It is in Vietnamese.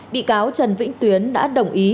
bị cáo trần vĩnh tuyến đã đồng ý